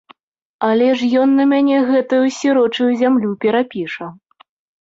Але ж ён на мяне гэтую сірочую зямлю перапіша.